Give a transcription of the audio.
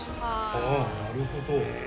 ああなるほど。